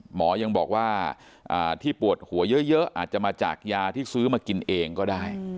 หมอยังบอกว่าที่ปวดหัวเยอะอาจจะมาจากยาที่ซื้อมากินเองก็ได้